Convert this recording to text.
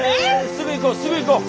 すぐ行こうすぐ行こう！